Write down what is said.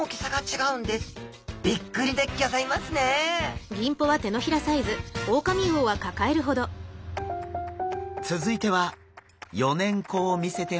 びっくりでギョざいますね続いては４年子を見せてもらいます。